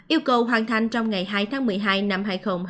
yêu cầu hoàn thành trong ngày hai tháng một mươi hai năm hai nghìn hai mươi